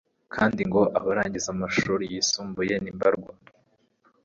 kandi ngo abarangiza amashuri yisumbuye ni mbarwa